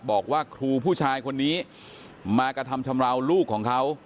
บอกว่าครูผู้ชายคนนี้มากระทำชำราวลูกของเขา